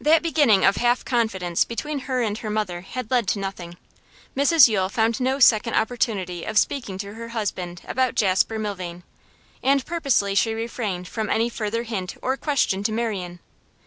That beginning of half confidence between her and her mother had led to nothing. Mrs Yule found no second opportunity of speaking to her husband about Jasper Milvain, and purposely she refrained from any further hint or question to Marian.